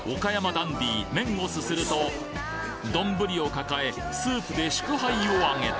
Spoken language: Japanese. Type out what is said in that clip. ダンディー麺をすするとどんぶりを抱えスープで祝杯をあげた！